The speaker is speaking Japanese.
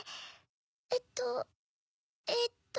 えっとえっと。